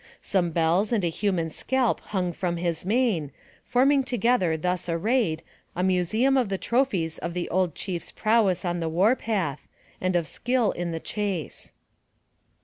Some bells and a human scalp hung from his mane, forming together, thus arrayed, a museum of the tro phies of the old chief's prowess on the war path, and of skill in the chase.